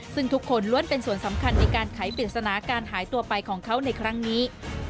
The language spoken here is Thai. ซึ่งทุกคนล้วนเป็นส่วนสำคัญในการไขปริศนาการหายตัวไปของเขาในครั้งนี้